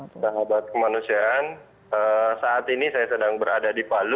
sahabat kemanusiaan saat ini saya sedang berada di palu